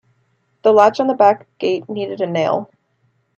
The latch on the back gate needed a nail.